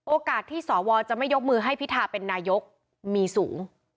โอกาสที่สวจะไม่ยกมือให้พิทาเป็นนายกมีสูง